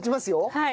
はい。